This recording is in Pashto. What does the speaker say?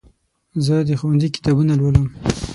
زه د ښوونځي کتابونه لولم.